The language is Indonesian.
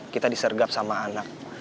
kita disergap sama anak